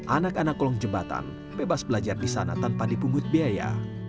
anak anak kolong jembatan bebas belajar di sana tanpa dipungut biaya